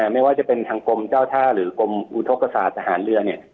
ไม่ว่าจะเป็นทางกรมเจ้าท่าหรือกรมอุทธกษาทหารเรือ